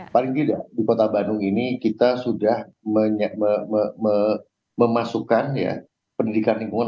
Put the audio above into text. paling tidak di kota bandung ini kita sudah memasukkan pendidikan lingkungan